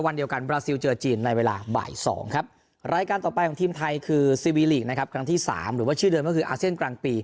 ไม่ว่าจะเจอในเอเชียหรือว่ายุโรคก็ตาม